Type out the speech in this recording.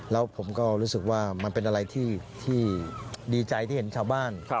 แล้วผมก็รู้สึกว่ามันเป็นอะไรที่ดีใจที่เห็นชาวบ้าน